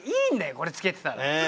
これ着けてたら。